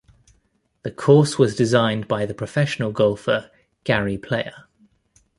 The course was designed by the professional golfer Gary Player.